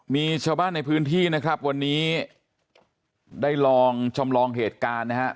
มีชาวบ้านในพื้นที่นะครับวันนี้ได้ลองจำลองเหตุการณ์นะฮะ